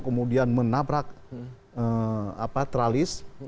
kemudian menabrak teralis